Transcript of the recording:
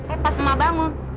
eh pas mak bangun